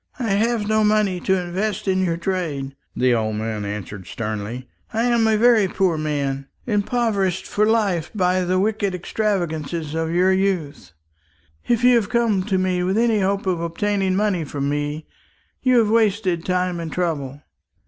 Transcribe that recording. "I have no money to invest in your trade," the old man answered sternly. "I am a very poor man, impoverished for life by the wicked extravagance of your youth. If you have come to me with any hope of obtaining money from me, you have wasted time and trouble."